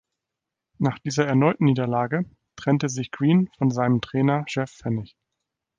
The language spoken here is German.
Nach dieser erneuten Niederlage trennte sich Green von seinem Trainer Jeff Fenech.